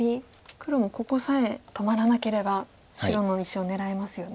黒もここさえ止まらなければ白の大石を狙えますよね。